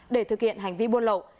để thực hiện hành vi buôn lậu